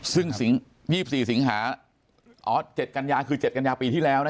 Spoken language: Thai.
ซึ่ง๒๔สิงหาอ๋อ๗กัญญาคือ๗กัญญาปีที่แล้วนะ